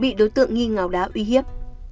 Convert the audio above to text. bà cháu bị đối tượng nghi ngào đá uy hiếp